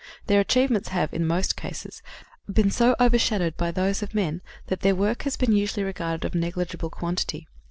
Their achievements have, in most cases, been so overshadowed by those of men that their work has been usually regarded as a negligible quantity.